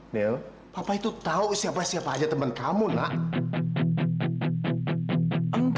niel papa itu tau siapa siapa aja temen kamu nak